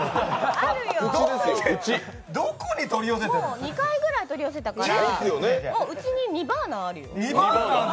もう２回くらい取り寄せたからもう、うちに２バーナーあるよ。